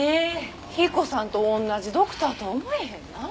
彦さんと同じドクターとは思えへんなあ。